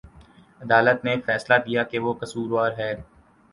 عدالت نے فیصلہ دیا کہ وہ قصوروار ہے